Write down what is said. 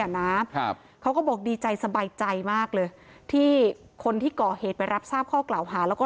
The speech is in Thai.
นะครับเขาก็บอกดีใจสบายใจมากเลยที่คนที่ก่อเหตุไปรับทราบข้อกล่าวหาแล้วก็